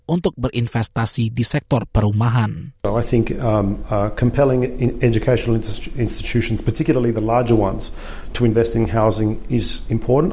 untuk berindikasi ke kemampuan kemampuan kemampuan